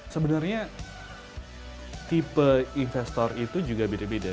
sebenarnya tipe investor itu juga beda beda